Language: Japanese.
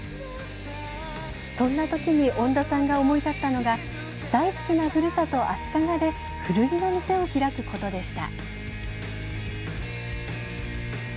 そんなときに恩田さんが思い立ったのが、大好きなふるさと、足利で古着の店を開くことでした。